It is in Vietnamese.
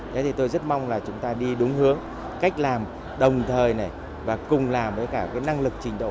thế thì tôi rất mong là chúng ta đi đúng hướng cách làm đồng thời này và cùng làm với cả cái năng lực trình độ